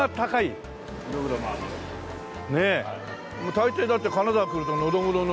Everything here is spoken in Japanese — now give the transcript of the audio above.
大抵だって金沢来るとノドグロノドグロ。